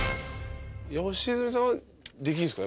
良純さんはできるんすか？